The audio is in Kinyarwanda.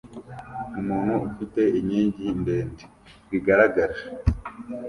Umuntu ufite inkingi ndende bigaragara